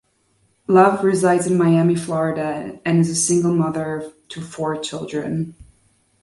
Love resides in Miami, Florida, and is a single mother to four children.